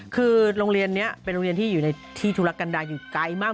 คือโรงเรียนนี้เป็นโรงเรียนที่อยู่ในที่ธุรกันดาอยู่ไกลมาก